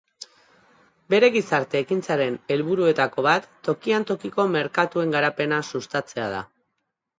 Bere gizarte-ekintzaren helburuetako bat tokian tokiko merkatuen garapena sustatzea da.